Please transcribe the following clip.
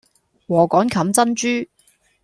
禾稈冚珍珠